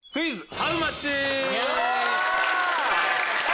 ハウマッチ？